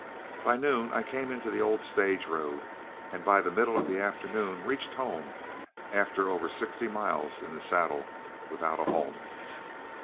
By noon I came into the old stage road, and by the middle of the afternoon reached home after over sixty miles in the saddle without a halt."